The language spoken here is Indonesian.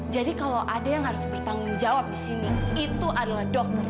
jadi kalau ada yang harus bertanggung jawab di sini itu adalah dokter